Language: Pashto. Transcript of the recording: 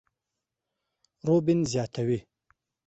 روبين زياتوي،